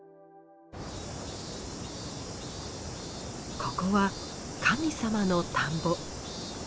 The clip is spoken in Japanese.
ここは神様の田んぼ。